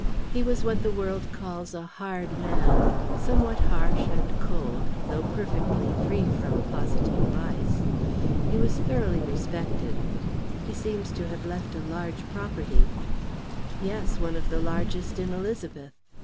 He was what the world calls a hard man somewhat harsh and cold, though perfectly free from positive vice. He was thoroughly respected." "He seems to have left a large property." "Yes; one of the largest in Elizabeth.